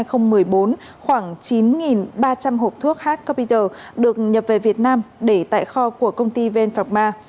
khoảng chín ba trăm linh hộp thuốc h capital được nhập về việt nam để tại kho của công ty vn phạc ma